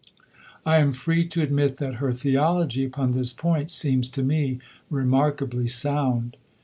I am free to admit that her theology upon this point seems to me remarkably sound.